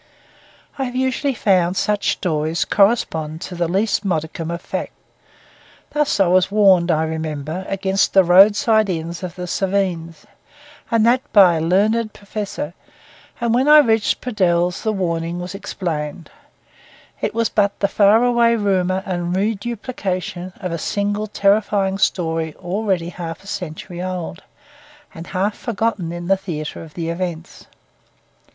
I have usually found such stories correspond to the least modicum of fact. Thus I was warned, I remember, against the roadside inns of the Cévennes, and that by a learned professor; and when I reached Pradelles the warning was explained—it was but the far away rumour and reduplication of a single terrifying story already half a century old, and half forgotten in the theatre of the events.